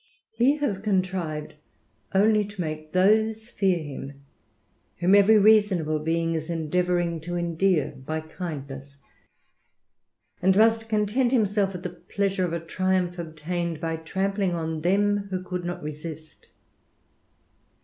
He has itrived only to make those fear him, whom every reason being is endeavouring to endear by kindness, and must itent himself with the pleasure of a triumph obtained by ■rampling on them who could not resist.